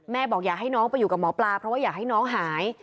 บอกอยากให้น้องไปอยู่กับหมอปลาเพราะว่าอยากให้น้องหาย